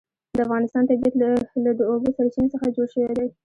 د افغانستان طبیعت له د اوبو سرچینې څخه جوړ شوی دی.